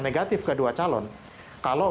negatif kedua calon kalau